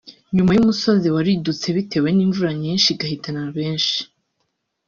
nyuma y’umusozi waridutse bitewe n’imvura nyinshi igahitana benshi